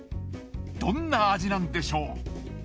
どんな味なんでしょう？